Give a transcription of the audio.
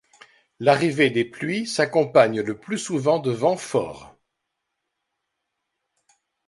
L'arrivée des pluies s'accompagne le plus souvent de vents forts.